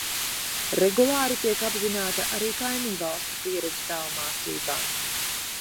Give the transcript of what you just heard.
Regulāri tiek apzināta arī kaimiņvalstu pieredze tālmācībā.